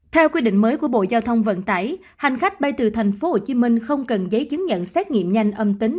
theo quy định mới của bộ giao thông vận tải hành khách bay từ tp hcm không cần giấy chứng nhận xét nghiệm nhanh âm tính